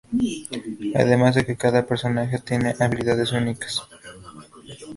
Además de que cada personaje tiene habilidades únicas.